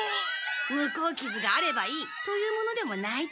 向こうきずがあればいいというものでもないってことだね。